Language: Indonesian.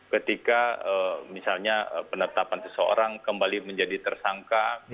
ketika misalnya penetapan seseorang kembali menjadi tersangka